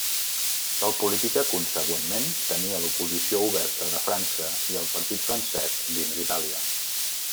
Tal política consegüentment tenia l'oposició oberta de França i el partit francès dins Itàlia.